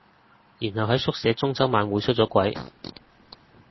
然後喺宿舍中秋晚會出咗櫃